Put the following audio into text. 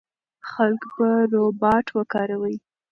خلک به روباټ وکاروي.